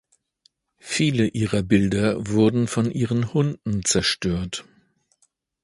Viele ihrer Bilder wurden von ihren Hunden zerstört.